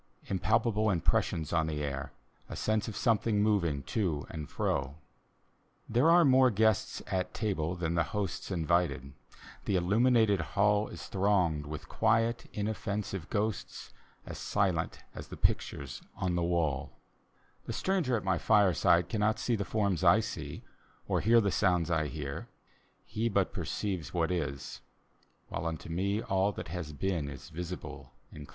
Impalpable impressions on the air, A sense of something moving to and fro. There are more guests at table than the hosts Invited; the illuminated hall Is thronged with quiet, inoffensive ghosts, As silent as the pictures on the walL The stranger at my fireside cannot see The forms I see, or hear the sounds I hear; He but perceives what is; while unto me All that has been is visible and dear.